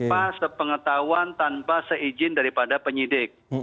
pas pengetahuan tanpa seizin daripada penyidik